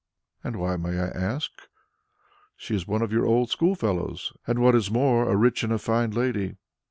"And why, may I ask? She is one of your old school fellows, and what is more, rich and a fine lady.